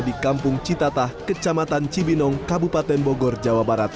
di kampung citatah kecamatan cibinong kabupaten bogor jawa barat